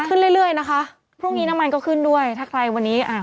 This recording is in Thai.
ขึ้นเรื่อยเรื่อยนะคะพรุ่งนี้น้ำมันก็ขึ้นด้วยถ้าใครวันนี้อ่า